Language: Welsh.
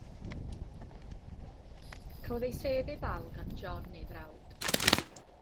Cafodd ei sedd ei ddal gan John, ei frawd.